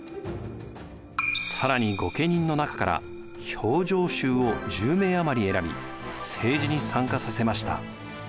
更に御家人の中から評定衆を１０名余り選び政治に参加させました。